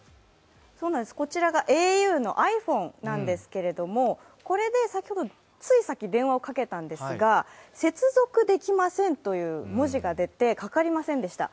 こちらがａｕのｉＰｈｏｎｅなんですけれどもこれでついさっき、電話をかけたんですが「接続できません」という文字が出てかかりませんでした。